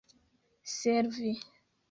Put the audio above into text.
servi